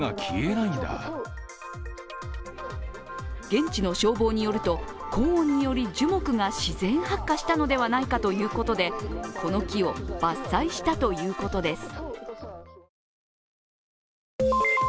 現地の消防によると高温により樹木が自然発火したのではないかということでこの木を伐採したということです。